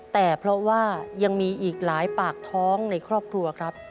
แต่เพราะว่ายังมีอีกหลายปากท้องในครอบครัวครับ